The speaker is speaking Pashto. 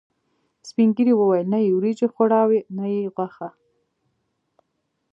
سپینږیرو ویل: نه یې وریجې خوړاوې، نه یې غوښه.